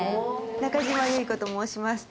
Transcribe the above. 中島由依子と申します